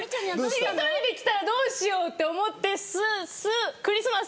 「しりとり」で来たらどうしよう？って思って「スス」「クリスマス」の。